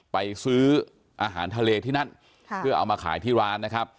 ไปซื้ออาหารทะเลที่นั่นเพื่อเอามาขายที่ร้านนะครับ